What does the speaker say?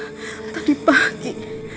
tentang tadi pagi